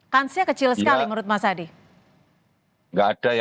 kansnya kecil sekali menurut mas adi